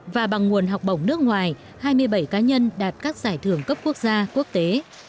và bằng nguồn học bổng nước ngoài hai mươi bảy cá nhân đạt các giải thưởng cấp quốc gia quốc tế